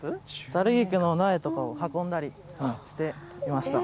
ざる菊の苗とかを運んだりしてました。